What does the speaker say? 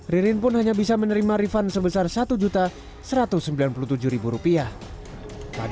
ririn pun hanya bisa menerima refund sebesar rp satu